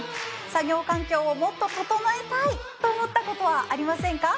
作業環境をもっと整えたいと思ったことはありませんか？